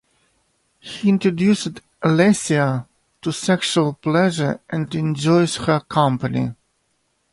He introduces Alessia to sexual pleasure and enjoys her company.